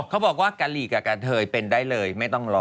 เขาบอกว่ากะหลีกับกะเทยเป็นได้เลยไม่ต้องรอ